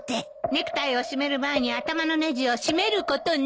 ネクタイを締める前に頭のネジを締めることね！